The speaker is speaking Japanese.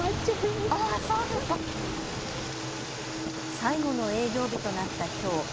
最後の営業日となったきょう。